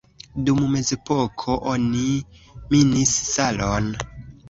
Dum la mezepoko oni minis salon.